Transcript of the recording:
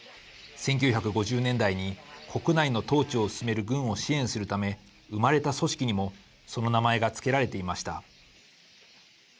１９５０年代に国内の統治を進める軍を支援するため生まれた組織にもその名前が付けられていました。